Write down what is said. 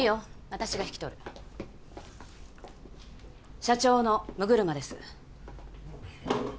私が引き取る社長の六車です